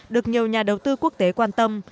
được nhiều nhà đầu tư quốc tế quan tâm